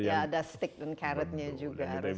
iya ada stick dan carrotnya juga harus